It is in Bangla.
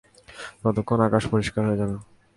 ততক্ষণ আকাশ পরিষ্কার হয়ে যায়।